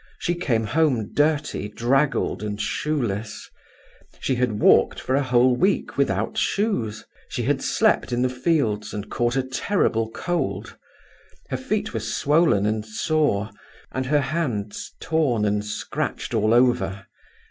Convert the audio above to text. She came home dirty, draggled, and shoeless; she had walked for a whole week without shoes; she had slept in the fields, and caught a terrible cold; her feet were swollen and sore, and her hands torn and scratched all over.